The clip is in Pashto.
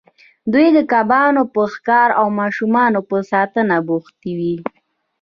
دوی د کبانو په ښکار او ماشومانو په ساتنه بوختې وې.